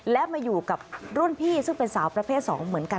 และมาอยู่กับรุ่นพี่ซึ่งเป็นสาวประเภท๒เหมือนกัน